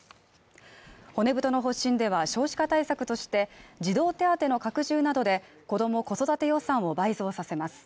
骨太の方針では少子化対策として児童手当の拡充などでこども・子育て予算を倍増させます。